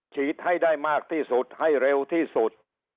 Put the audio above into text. ฉีดให้ได้มากที่สุดให้เร็วที่สุด